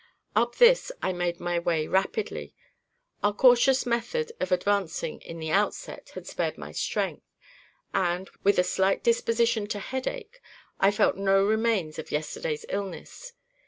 Up this I made my way rapidly. Our cautious method of advancing in the outset had spared my strength; and, with the exception of a slight disposition to headache, I felt no remains of yesterday's illness.